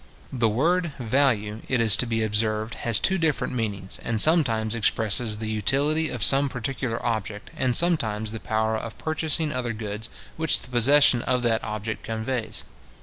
The word VALUE, it is to be observed, has two different meanings, and sometimes expresses the utility of some particular object, and sometimes the power of purchasing other goods which the possession of that object conveys.